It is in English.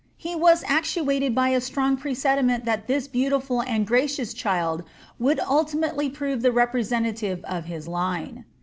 He was actuated by a strong presentiment that this beautiful and picious child woidd ultimately prove the representative of his line.